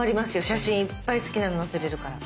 写真いっぱい好きなの載せれるから。